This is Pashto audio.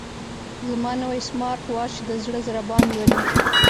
زما نوی سمارټ واچ د زړه ضربان لولي.